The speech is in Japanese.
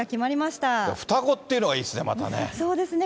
双子っていうのがいいですね、そうですね。